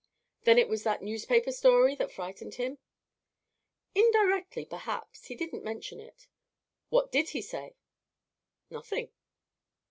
"Then it was that newspaper story that frightened him." "Indirectly, perhaps. He didn't mention it." "What did he say?" "Nothing."